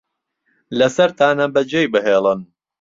لەسەرتانە بەجێی بهێڵن